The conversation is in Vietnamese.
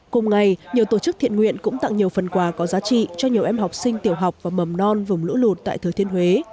cùng ngày nhiều tổ chức thiện nguyện cũng tặng nhiều phần quà có giá trị cho nhiều em học sinh tiểu học và mầm non vùng lũ lụt tại thừa thiên huế